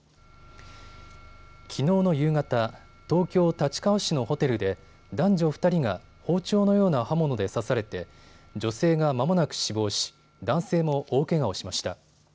きのうの夕方、東京立川市のホテルで男女２人が包丁のような刃物で刺されて女性がまもなく死亡し、男性も大けがをしました。